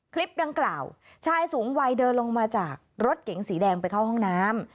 คลิปดังกล่าวชายสูงวัยเดินลงมาจากรถเก๋งสีแดงไปเข้าห้องน้ำ